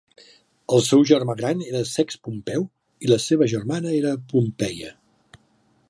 El seu germà gran era Sext Pompeu i la seva germana era Pompeia.